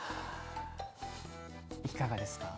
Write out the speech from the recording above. いかがですか？